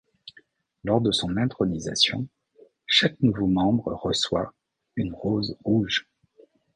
Lors de son intronisation, chaque nouveau membre reçoit une rose rouge.